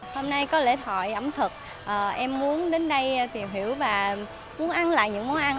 hôm nay có lễ hội ẩm thực em muốn đến đây tìm hiểu và muốn ăn lại những món ăn